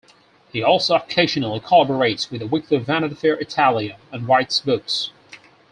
He also occasionally collaborates with the weekly "Vanity Fair Italia", and writes books.